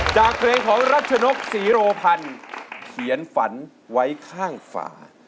จากเพลงของรัชนกศรีโรพันธ์เขียนฝันไว้ข้างฝา